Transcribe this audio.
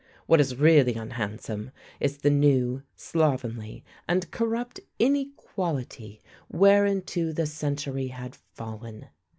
What is really unhandsome is the new, slovenly, and corrupt inequality whereinto the century had fallen.